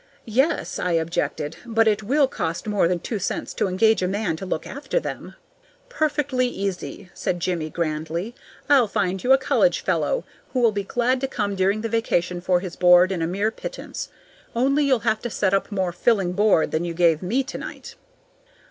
"Yes," I objected, "but it will cost more than two cents to engage a man to look after them." "Perfectly easy," said Jimmie, grandly. "I'll find you a college fellow who'll be glad to come during the vacation for his board and a mere pittance, only you'll have to set up more filling board than you gave me tonight."